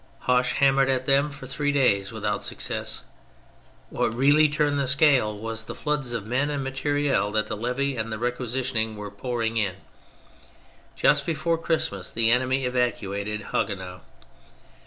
Hoche hammered at them for three days without success. What really turned the scale was the floods of men and material that the levy and the requisitioning were pouring in. Just before Christmas the enemy evacuated Haguenau.